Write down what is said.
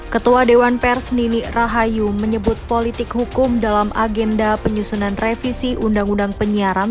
ketua dewan pers nini rahayu menyebut politik hukum dalam agenda penyusunan revisi undang undang penyiaran